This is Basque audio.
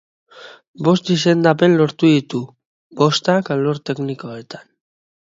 Bost izendapen lortu ditu, bostak alor teknikoetan.